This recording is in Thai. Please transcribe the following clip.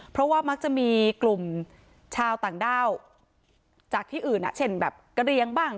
เพราะว่ามักจะมีกลุ่มชาวต่างด้าวจากที่อื่นเช่นแบบกระเรียงบ้าง